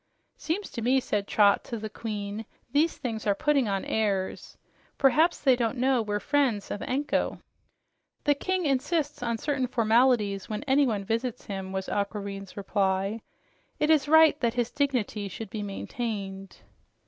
"Seems to me," said Trot to the queen, "these things are putting on airs. Perhaps they don't know we're friends of Anko." "The king insists on certain formalities when anyone visits him," was Aquareine's reply. "It is right that his dignity should be maintained."